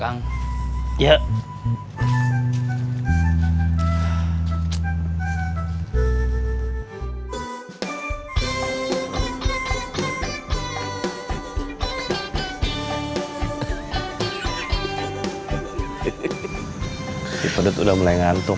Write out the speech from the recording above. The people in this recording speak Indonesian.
kalau sampai tidur kita tinggalin